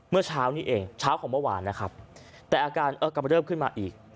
เมื่อเช้านี้เองเช้าของเมื่อวานนะครับแต่อาการกำเริ่มขึ้นมาอีก